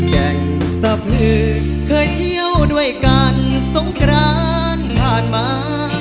แก่งสะพือเคยเที่ยวด้วยกันสงกรานผ่านมา